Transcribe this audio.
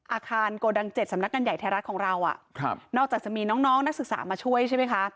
อาคารโกดังเจ็ดสำนักการณ์ใหญ่ไทยรัฐของเราอ่ะครับนอกจากจะมีน้องน้องนักศึกษามาช่วยใช่ไหมคะ